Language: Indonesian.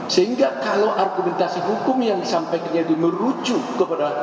sehingga kalau argumentasi hukum yang disampaikan itu merujuk kepada